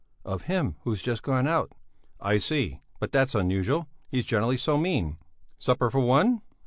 "Of him who's just gone out." "I see! But that's unusual, he's generally so mean. Supper for one?"